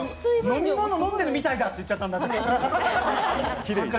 飲み物飲んでるみたいだっていっちゃった。